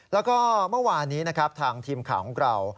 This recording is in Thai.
แล้วก็เมื่อวานนี้นะครับทางทีมข่าวของเรา